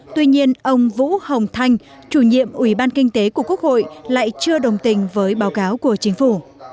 tuy nhiên ông vũ hồng thanh chủ nhiệm ủy ban kinh tế của quốc hội lại chưa đồng tình với báo cáo của chính phủ